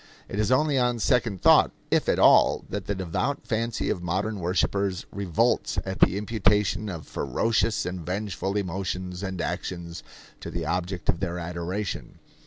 It is only on second thought, if at all, that the devout fancy of modern worshippers revolts at the imputation of ferocious and vengeful emotions and actions to the object of their adoration.